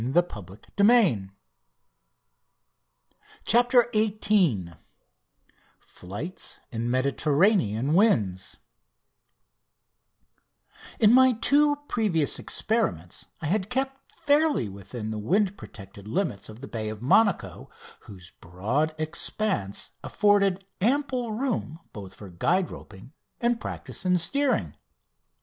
(O'er seas hereto unsailed.) CHAPTER XVIII FLIGHTS IN MEDITERRANEAN WINDS In my two previous experiments I had kept fairly within the wind protected limits of the bay of Monaco, whose broad expanse afforded ample room both for guide roping and practice in steering.